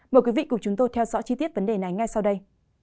mời quý vị cùng chúng tôi theo dõi chi tiết vấn đề này ngay sau đây